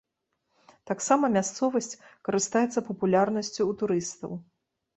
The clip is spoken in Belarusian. Таксама мясцовасць карыстаецца папулярнасцю ў турыстаў.